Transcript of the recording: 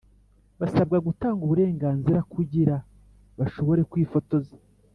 Basabwa gutanga uburenganzira kugira bashobore kwifotoza